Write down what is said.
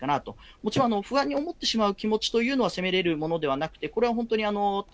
もちろん、不安に思ってしまう気持ちというのは、責めれるものではなくて、これは本当に私、